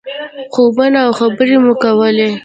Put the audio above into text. خوبونه او خبرې مو کولې.